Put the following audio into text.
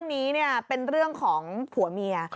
อันนี้เนี่ยเป็นเรื่องของผัวเมีย